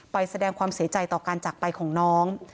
ไปแสดงความเสียใจต่อการจักรไปของน้อง